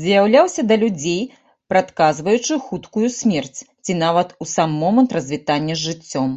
З'яўлялася да людзей, прадказваючы хуткую смерць, ці нават у сам момант развітання з жыццём.